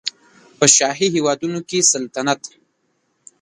په شاهي هېوادونو کې سلطنت